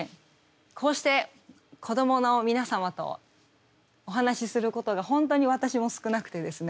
こうして子どもの皆様とお話しすることが本当に私も少なくてですね。